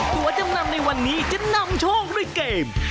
ตัวจำนำในวันนี้จะนำโชคด้วยเกม